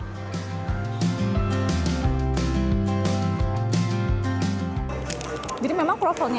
jadi memang kroffel ini memang menarik banget ya